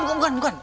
bukan bukan bukan